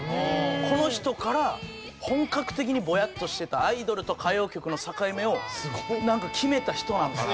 この人から本格的にぼやっとしてたアイドルと歌謡曲の境目を決めた人なんかな。